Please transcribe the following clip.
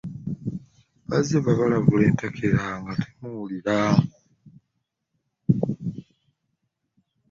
Bazze babalabula entakera nga tebawulira.